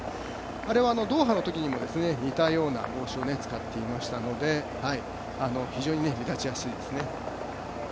これはドーハのときにも似たような帽子を使っていましたので非常に目立ちやすいですね。